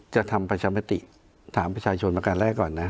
จะทำปภัตติถามประชาชนมากัดแรกก่อนน่ะ